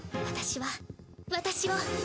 私は私を。